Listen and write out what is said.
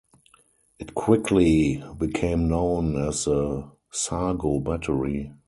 It quickly became known as the "Sargo battery".